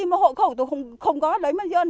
mà hộ khẩu tôi không có lấy